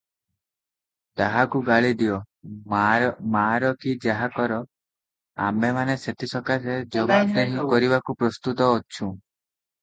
ତାହାକୁ ଗାଳିଦିଅ, ମାର କି ଯାହା କର, ଆମେମାନେ ସେଥି ସକାଶେ ଜବାବଦେହୀ କରିବାକୁ ପ୍ରସ୍ତୁତ ଅଛୁଁ ।